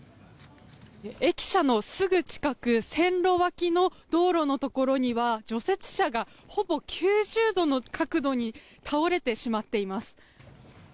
駅舎のすぐ近く線路脇の道路のところには除雪車がほぼ９０度の角度に倒れてしまっています。